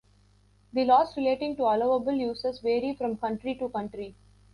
The laws relating to allowable uses vary from country to country.